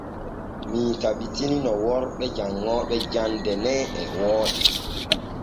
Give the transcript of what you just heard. Mii tabbitini no worɓe janŋooɓe jande nen e wooɗi.